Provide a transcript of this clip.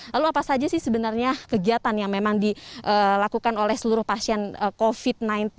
lalu apa saja sih sebenarnya kegiatan yang memang dilakukan oleh seluruh pasien covid sembilan belas